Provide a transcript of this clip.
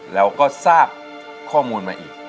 แล้วก็ทราบข้อมูลมาอีก